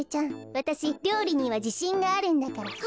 わたしりょうりにはじしんがあるんだから。